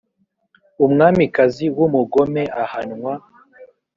umwamikazi w umugome ahanwa